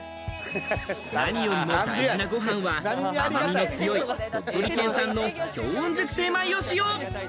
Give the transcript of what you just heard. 何よりも大事なご飯は、甘みの強い鳥取県産の氷温熟成米を使用。